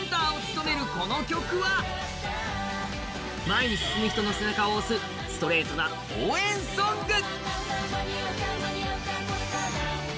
前に進む人の背中を押すストレートな応援ソング。